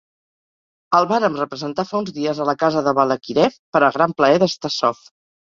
El vàrem representar fa uns dies a la casa de Balakirev per a gran plaer de Stassov.